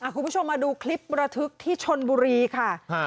คุณผู้ชมมาดูคลิประทึกที่ชนบุรีค่ะ